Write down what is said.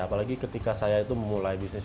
apalagi ketika saya itu memulai bisnis